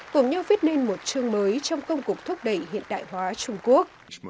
cùng nhau viết nên một chương mới trong công cuộc thúc đẩy hiện đại hóa trung quốc